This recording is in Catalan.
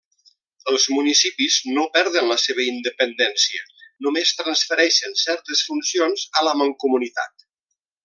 Els municipis no perden la seva independència, només transfereixen certes funcions a la mancomunitat.